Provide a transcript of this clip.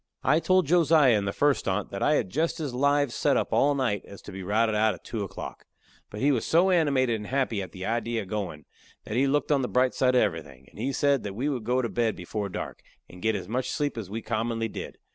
I told Josiah in the first on't, that I had just as lives set up all night as to be routed out at two o'clock. But he was so animated and happy at the idee of goin' that he looked on the bright side of everything, and he said that we would go to bed before dark, and get as much sleep as we commonly did.